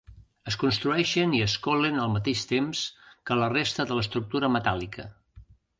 Es construeixen i es colen al mateix temps que la resta de l'estructura metàl·lica.